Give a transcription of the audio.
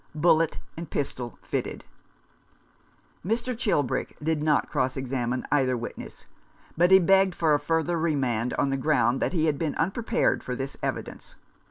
Bullet and pistol fitted. Mr. Chilbrick did not cross examine either witness, but he begged for a further remand, on the ground that he had been unprepared for this evidence.